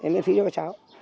miễn phí cho các cháu